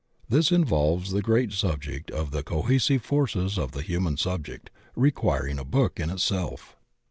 This involves the great subject of the cohesive forces of the human subject, requiring a book in itself.